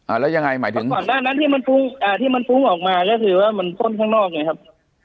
แล้วยังไงหมายถึงก่อนหน้านั้นที่มันฟุ้งอ่าที่มันฟุ้งออกมาก็คือว่ามันพ่นข้างนอกไงครับ